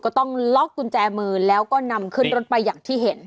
ต้องล็อกกุญแจมือแล้วก็นำขึ้นรถไปอย่างที่เห็น